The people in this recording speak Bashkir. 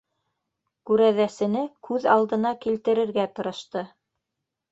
Күрәҙәсене күҙ алдына килтерергә тырышты.